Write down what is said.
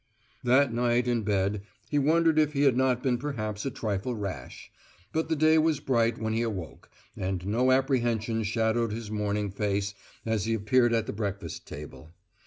That night, in bed, he wondered if he had not been perhaps a trifle rash; but the day was bright when he awoke, and no apprehension shadowed his morning face as he appeared at the breakfast table.